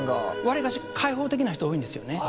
割かし開放的な人多いんですよね。